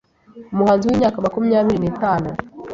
umuhanzi w’imyaka makumyabiri nitanu